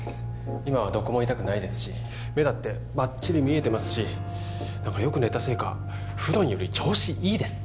今はどこも痛くないですし目だってバッチリ見えてますし何かよく寝たせいか普段より調子いいです